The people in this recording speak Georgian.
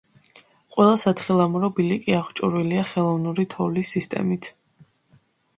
ყველა სათხილამურო ბილიკი აღჭურვილია „ხელოვნური თოვლის“ სისტემით.